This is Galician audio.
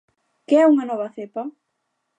Que é unha nova cepa?